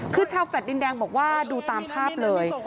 คือชาวแฟลต์ดินแดงบอกว่าดูตามภาพเลย